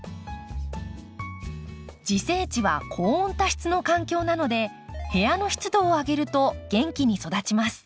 自生地は高温多湿の環境なので部屋の湿度を上げると元気に育ちます。